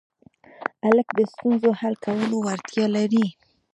هلک د ستونزو حل کولو وړتیا لري.